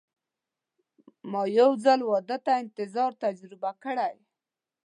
ما یو ځل واده ته انتظار تجربه کړی.